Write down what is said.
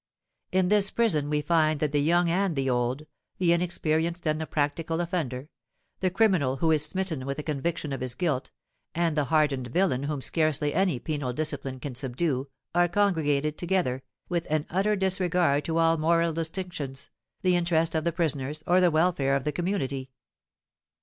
In this prison we find that the young and the old—the inexperienced and the practical offender—the criminal who is smitten with a conviction of his guilt, and the hardened villain whom scarcely any penal discipline can subdue, are congregated together, with an utter disregard to all moral distinctions, the interest of the prisoners, or the welfare of the community.